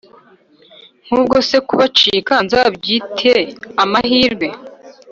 Nk’ubwo se kubacika Nzabyite amahirwe